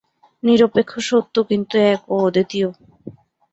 নিরপেক্ষ সত্য কিন্তু এক ও অদ্বিতীয়।